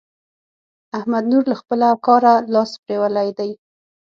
احمد نور له خپله کاره لاس پرېولی دی.